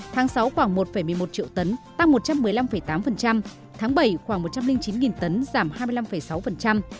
tháng sáu khoảng một một mươi một triệu tấn tăng một trăm một mươi năm tám tháng bảy khoảng một trăm linh chín nghìn tấn giảm hai mươi năm sáu